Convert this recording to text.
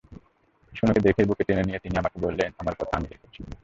সনুকে দেখেই বুকে টেনে নিয়ে তিনি আমাকে বললেন, আমার কথা আমি রেখেছি।